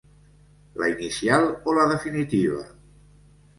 ¿La inicial o la definitiva?